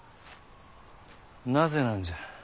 なぜなんじゃ。